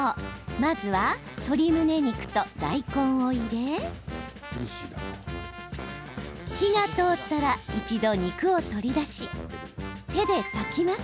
まずは、鶏むね肉と大根を入れ火が通ったら一度、肉を取り出し手で割きます。